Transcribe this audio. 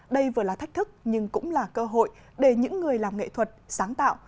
đây vừa là thách thức nhưng cũng là cơ hội để những người làm nghệ thuật sáng tạo